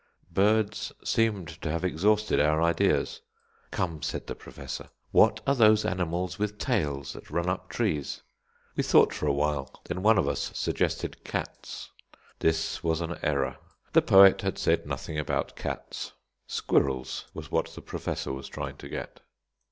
Birds seemed to have exhausted our ideas. "Come," said the Professor, "what are those animals with tails, that run up trees?" We thought for a while, then one of us suggested cats. This was an error; the poet had said nothing about cats; squirrels was what the Professor was trying to get.